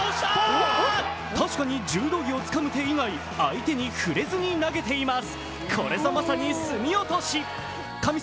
確かに柔道着をつかむ手以外相手に触れずに投げています。